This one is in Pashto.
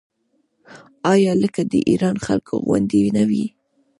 آیا لکه د ایران خلکو غوندې نه وي؟